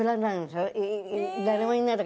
誰もいない時。